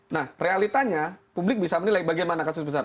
nah realitanya publik bisa menilai bagaimana kasus besar